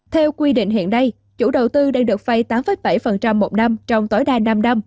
theo quy định hiện nay chủ đầu tư đang được phay tám bảy một năm trong tối đa năm năm